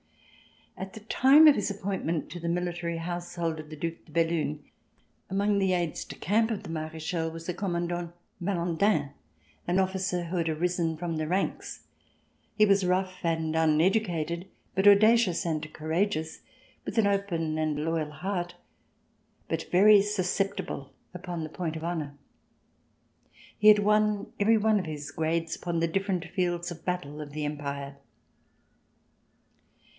At the time of his appointment to the Military Household of the Due de Bellune, among the aides de camp of the Marechal was the Commandant Malandin, an officer who had risen from the ranks. He was rough and uneducated, but audacious and courageous, with an open and loyal heart, but very susceptible upon the point of honor. He had won every one of his grades upon the different fields of battle of the Empire.